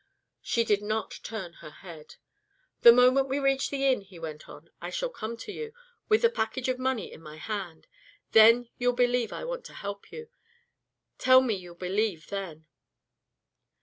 She did not turn her head. "The moment we reach the inn," he went on "I shall come to you, with the package of money in my hand. Then you'll believe I want to help you tell me you'll believe then."